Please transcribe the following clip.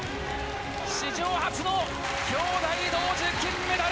史上初の兄妹同時金メダル！